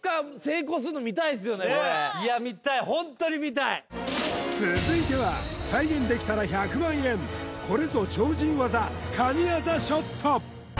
いやこれホントいや見たい続いては再現できたら１００万円これぞ超人技神業ショット